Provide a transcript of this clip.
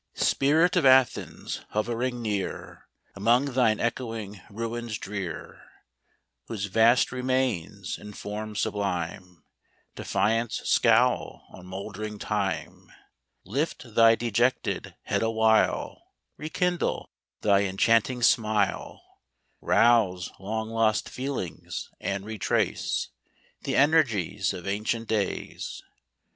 « Spirit of Athens hovering near, Among thine echoing ruins drear, Whose vast remains, in form sublime, Defiance scowl on mouldering Timej Lift thy dejected head awhile, Rekindle thy enchanting smile : Rouse long lost feelings, and retrace The energies of ancient days.